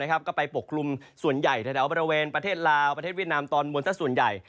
ก็ไปปกคลุมส่วนใหญ่แถวบริเวณประเทศลาวประเทศเวียดนามตอนบนสักส่วนใหญ่